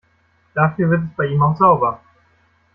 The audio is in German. Dafür wird es bei ihm auch sauber.